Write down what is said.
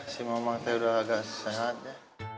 si mama saya udah agak sehat ya